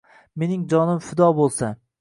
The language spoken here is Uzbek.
Mening jonim fido bo’lsa